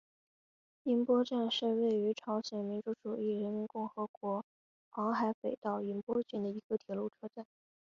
银波站是位于朝鲜民主主义人民共和国黄海北道银波郡的一个铁路车站。